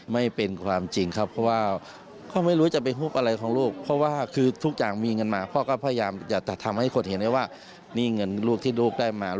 ไม่เป็นความจริงครับเพราะว่า